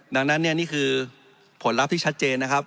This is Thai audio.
ดังนั้นเนี่ยนี่คือผลลัพธ์ที่ชัดเจนนะครับ